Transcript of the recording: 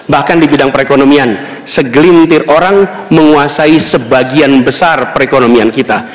bahkan di bidang perekonomian segelintir orang menguasai sebagian besar perekonomian kita